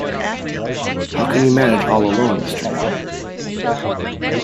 How can you manage all alone, Mr Young.